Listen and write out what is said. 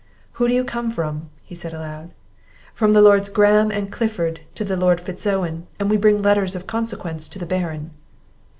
"Who do you come from?" said he aloud. "From the Lords Graham and Clifford to the Lord Fitz Owen; and we bring letters of consequence to the Baron."